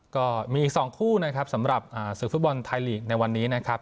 ก็มีอีก๒คู่นะครับสำหรับศึกฟุตบอลไทยลีกในวันนี้นะครับ